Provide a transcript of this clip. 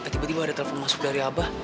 tiba tiba ada telepon masuk dari abah